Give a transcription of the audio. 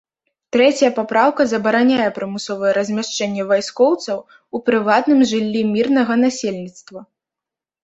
Трэцяя папраўка забараняе прымусовае размяшчэнне вайскоўцаў у прыватным жыллі мірнага насельніцтва.